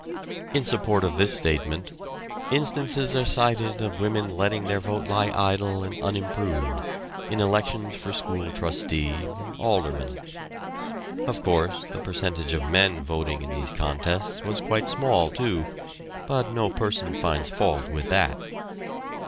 In support of this statement instances are cited of women letting their vote lie idle and unimproved in elections for school trustee and alderman. Of course, the percentage of men voting in these contests was quite small, too, but no person finds fault with that.